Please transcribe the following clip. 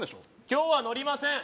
今日はのりません